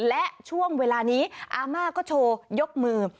และช่วงเวลานี้อาม่าก็โชว์ยกมือ